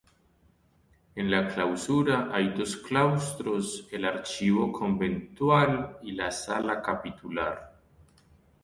En la clausura hay dos claustros, el archivo conventual y la sala capitular.